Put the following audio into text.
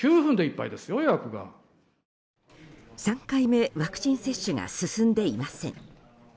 ３回目ワクチン接種が進んでいません。